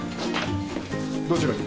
どちらに？